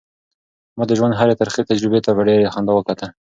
ما د ژوند هرې ترخې تجربې ته په ډېرې خندا وکتل.